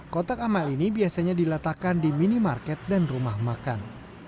kotak amal ini biasanya diletakkan di minimarket dan rumah makan